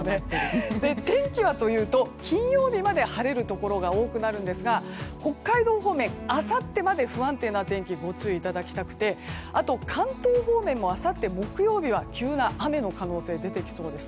天気はというと金曜日まで晴れるところが多くなるんですが北海道方面あさってまで不安定な天気にご注意いただきたくて関東方面もあさって木曜日は急な雨の可能性が出てきそうです。